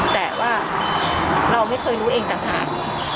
แต่ว่าเราไม่เคยรู้เองต่าง